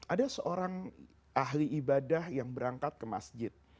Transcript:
ada seorang ahli ibadah yang berangkat ke masjid